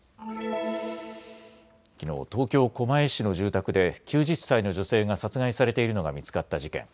きのう東京狛江市の住宅で９０歳の女性が殺害されているのが見つかった事件。